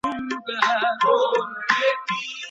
څنګه یو انسان کولای سي د خپل زیار پایله ژر وویني؟